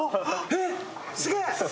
えっすげえ！